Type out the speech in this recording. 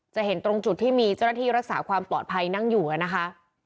เห็นตรงจุดที่มีเจ้าหน้าที่รักษาความปลอดภัยนั่งอยู่นะคะ